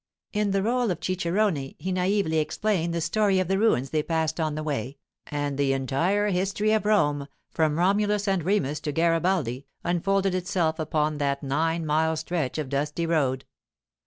In the rôle of cicerone he naïvely explained the story of the ruins they passed on the way, and the entire history of Rome, from Romulus and Remus to Garibaldi, unfolded itself upon that nine mile stretch of dusty road.